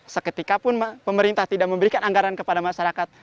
seketikapun pemerintah tidak memberikan anggaran kepada masyarakat